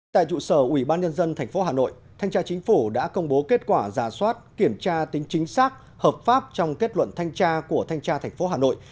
tại trụ sở ủy ban nhân dân tp hà nội thanh tra chính phủ đã công bố kết quả giả soát kiểm tra tính chính xác hợp pháp trong kết luận thanh tra của thanh tra tp hà nội